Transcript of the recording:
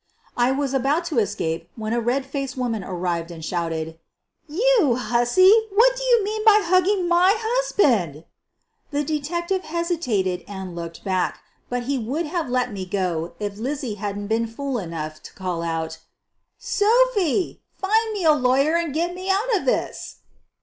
I was about to escape when a redfaced woman arrived and shouted: "You hussy, what do you mean by hugging my husband!" The detective hesitated and looked back, but he would have let me go if Lizzy hadn't been fool enough to call out : 1 * Sophie, find me a lawyer and get me out of this.